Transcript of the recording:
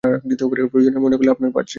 প্রয়োজন মনে করলে আপনার কাছে পরামর্শ চাইব।